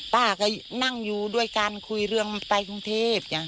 ป้าก็นั่งอยู่ด้วยกันคุยเรื่องไปกรุงเทพ